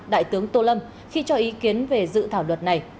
đại tướng tô lâm khi cho ý kiến về dự thảo luật này